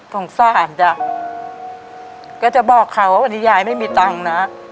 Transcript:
ต้องซ่านด้าก็จะบอกเขาว่านี่ยายไม่มีตังนะ